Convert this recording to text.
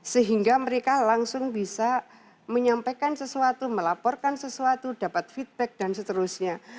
sehingga mereka langsung bisa menyampaikan sesuatu melaporkan sesuatu dapat feedback dan seterusnya